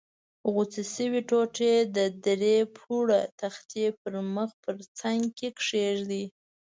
غوڅې شوې ټوټې د درې پوړه تختې پر مخ په څنګ کې کېږدئ.